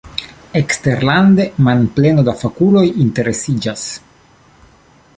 Eksterlande manpleno da fakuloj interesiĝas.